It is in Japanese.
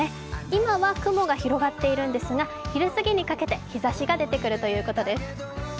今は雲が広がっているんですが、昼過ぎにかけて日ざしが出てくるということです。